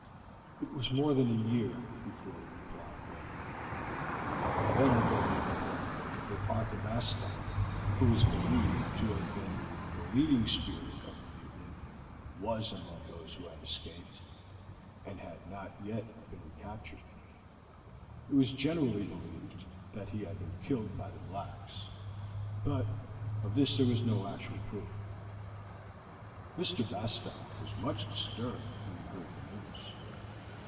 It was more than a year before the reply came, and then the Governor reported that Arthur Bastow, who was believed to have been the leading spirit of the mutiny, was among those who had escaped, and had not yet been recaptured. It was generally believed that he had been killed by the blacks, but of this there was no actual proof. Mr. Bastow was much disturbed when he heard the news.